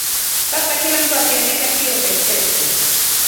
Sasa kila mtu akiandika hio sentensi